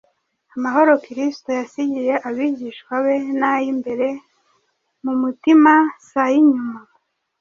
Amahoro Kristo yasigiye abigishwa be n’ay’imbere mu mutima si ay’inyuma